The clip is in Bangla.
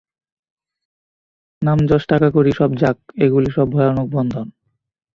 নামযশ টাকাকড়ি সব যাক্, এগুলি সব ভয়ানক বন্ধন।